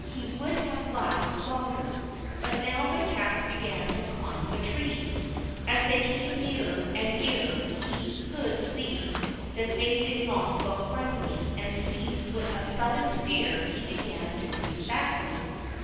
He would have laughed longer, but now the cats began to climb the tree. As they came nearer and nearer he could see that they did not look friendly, and seized with a sudden fear, he began to creep backward.